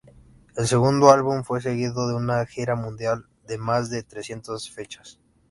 El segundo álbum fue seguido de una gira mundial de más de trescientos fechas.